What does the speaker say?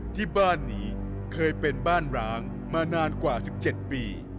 ที่บ้านนี้เคยเป็นบ้านร้างมานานกว่า๑๗ปี